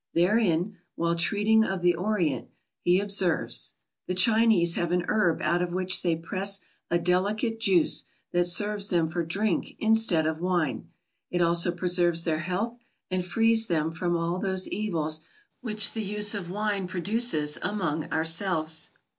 Therein, while treating of the Orient, he observes: "The Chinese have an herb out of which they press a delicate juice that serves them for drink instead of wine; it also preserves their health and frees them from all those evils which the use of wine produces among ourselves."